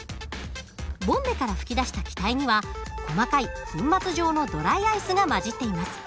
ボンベから噴き出した気体には細かい粉末状のドライアイスが混じっています。